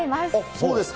そうですか。